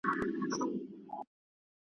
په زړه خواشیني د کابل ښکلي .